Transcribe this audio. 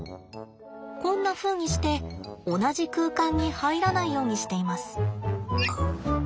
こんなふうにして同じ空間に入らないようにしています。